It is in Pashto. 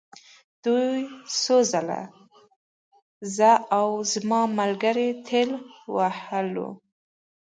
دوی څو ځله زه او زما ملګري ټېل وهلو